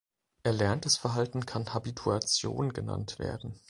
Erlerntes Verhalten kann Habituation genannt werden.